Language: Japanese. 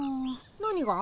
何が？